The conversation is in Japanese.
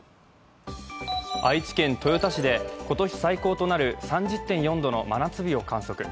愛知県豊田市で今年最高となる３０．４度の真夏日を観測。